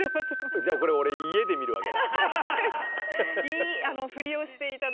じゃあ俺、家で見るわけだ。